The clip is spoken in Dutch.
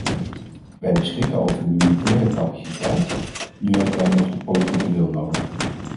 Wij beschikken over de militaire capaciteit, nu hebben wij nog de politieke wil nodig.